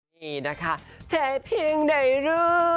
นี่นะคะแต่เพียงได้รู้